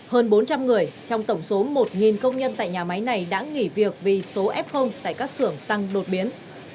hơn bốn trăm linh người trong tổng số một công nhân tại nhà máy này đã nghỉ việc vì số f tại các xưởng tăng đột biến